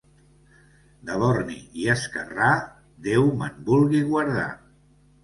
De borni i esquerrà, Déu me'n vulgui guardar.